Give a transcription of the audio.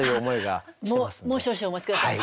もう少々お待ち下さい。